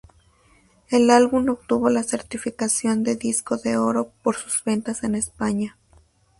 El álbum obtuvo la certificación de Disco de Oro por sus ventas en España.